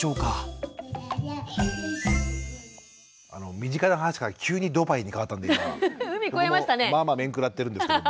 身近な話から急にドバイに変わったんでまあまあ面食らってるんですけども。